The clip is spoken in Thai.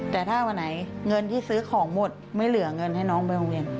แต่ถ้าวันไหนเงินที่ซื้อของหมดไม่เหลือเงินให้น้องไปโรงเรียน